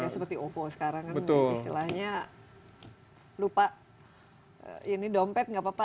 seperti ovo sekarang kan istilahnya lupa ini dompet gak apa apa